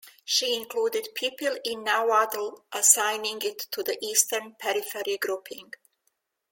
She included Pipil in Nahuatl, assigning it to the Eastern Periphery grouping.